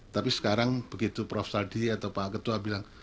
tapi sekarang begitu prof saldi atau pak ketua bilang